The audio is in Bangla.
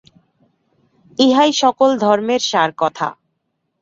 ইহাই সকল ধর্মের সার কথা।